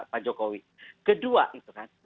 pak jokowi kedua